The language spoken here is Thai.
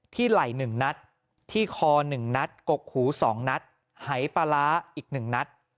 ไหล่๑นัดที่คอ๑นัดกกหู๒นัดหายปลาร้าอีก๑นัด